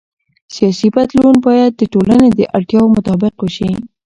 سیاسي بدلون باید د ټولنې د اړتیاوو مطابق وشي